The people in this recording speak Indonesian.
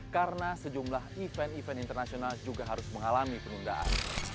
karena sejumlah event event internasional juga harus mengalami penundaan